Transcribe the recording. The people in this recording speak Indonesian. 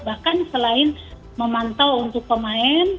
bahkan selain memantau untuk pemain